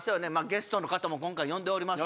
ゲストも今回呼んでおります